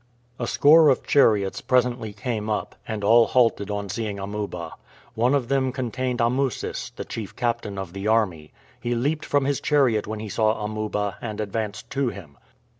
A score of chariots presently came up, and all halted on seeing Amuba. One of them contained Amusis, the chief captain of the army. He leaped from his chariot when he saw Amuba, and advanced to him.